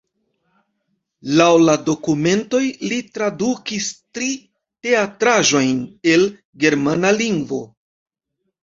Laŭ la dokumentoj li tradukis tri teatraĵojn el germana lingvo.